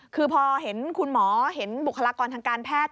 คือพอเห็นคุณหมอเห็นบุคลากรทางการแพทย์